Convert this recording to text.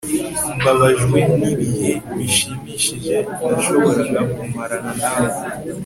mbabajwe nibihe bishimishije nashoboraga kumarana nawe